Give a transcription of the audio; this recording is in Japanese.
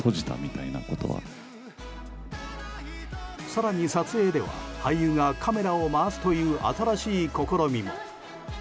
更に撮影では俳優がカメラを回すという新しい試みも。